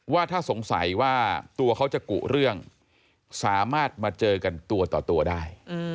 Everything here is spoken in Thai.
ว่าถ้าสงสัยว่าตัวเขาจะกุเรื่องสามารถมาเจอกันตัวต่อตัวได้